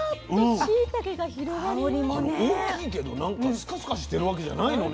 大きいけどなんかスカスカしてるわけじゃないのね。